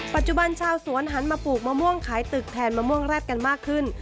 ปัจจุบันชาวสวนหันมาปลูกมะม่วงขายตึกแทนมะม่วงแร็ดกันมากขึ้น